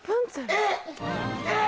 えっ！